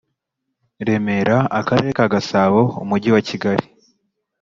Remera Akarere ka Gasabo Umujyi wa Kigali